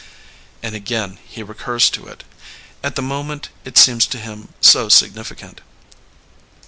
And again he recurs to it. At the moment it seems to him so significant.